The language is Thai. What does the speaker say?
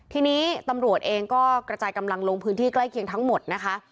ทีนี้ตำรวจเองก็กระจายกำลังลงพื้นที่ใกล้เคียงทั้งหมดนะคะ